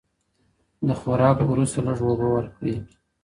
د خوراک وروسته لږه اوبه ورکړئ.